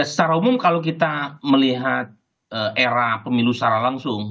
secara umum kalau kita melihat era pemilu secara langsung